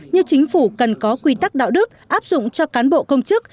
như chính phủ cần có quy tắc đạo đức áp dụng cho cán bộ công chức